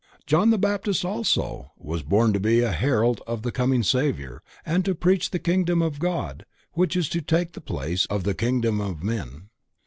John the Baptist also, was born to be a herald of the coming Savior and to preach the kingdom of God which is to take the place of the kingdom of men.